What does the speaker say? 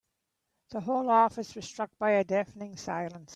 The whole office was struck by a deafening silence.